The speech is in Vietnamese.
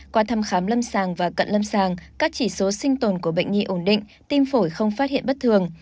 qua thăm khám lâm sàng và cận lâm sàng các chỉ số sinh tồn của bệnh nhi ổn định tim phổi không phát hiện bất thường